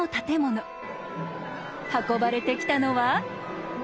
運ばれてきたのは。